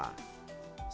salah satunya dipa